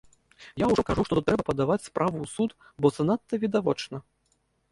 Я ўжо кажу, што тут трэба падаваць справу ў суд, бо занадта відавочна.